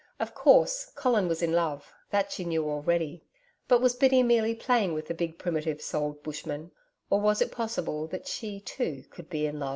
Of course, Colin was in love that she knew already. But was Biddy merely playing with the big primitive souled bushman or was it possible that she, too, could be in love?